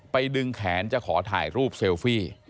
ดึงแขนจะขอถ่ายรูปเซลฟี่